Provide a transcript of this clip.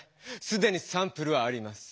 すでにサンプルはあります。